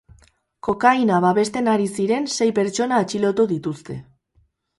Kokaina babesten ari ziren sei pertsona atxilotu dituzte.